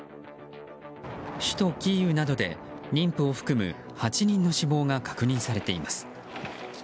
首都キーウなどで、妊婦を含む８人の死亡が確認されています。